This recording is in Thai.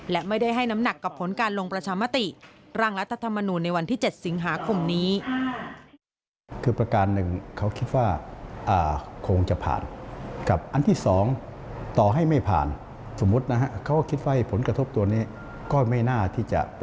และไม่ได้ให้น้ำหนักกับผลการลงประชามติร่างรัฐธรรมนูลในวันที่๗สิงหาคมนี้